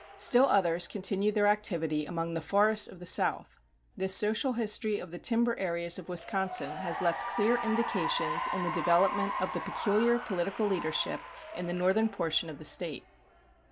Still others continue their activity among the forests of the South. This social history of the timber areas of Wisconsin has left clear indications in the development of the peculiar political leadership in the northern portion of the State.